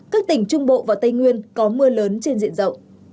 các tỉnh trung bộ và tây nguyên có mưa lớn trên diện rộng